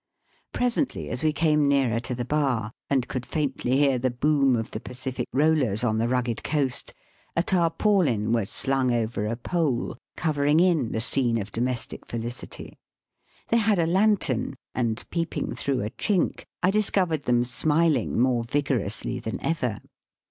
Presently, as we came nearer to the bar, and could faintly hear the boom of the Pacific rollers on the rugged coast, a tarpaulin was slimg over a pole, covering in the scene of domestic fehcity. They had a lantern, and, peeping through a chink, I discovered them smiling more vigorously than ever.